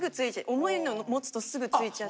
重いの持つとすぐついちゃって。